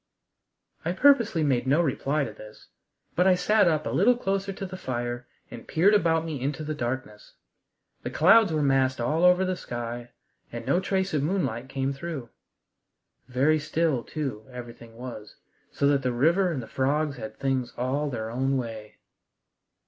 I purposely made no reply to this, but I sat up a little closer to the fire and peered about me into the darkness. The clouds were massed all over the sky and no trace of moonlight came through. Very still, too, everything was, so that the river and the frogs had things all their own way.